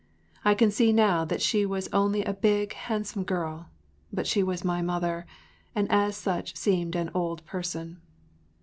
I can see now that she was only a big, handsome girl, but she was my mother, and as such seemed an “old person.